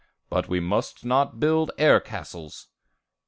but we must not build air castles!"